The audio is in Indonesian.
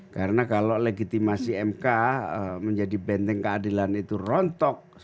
karena kalau legitimasi mk menjadi benteng keadilan itu rontok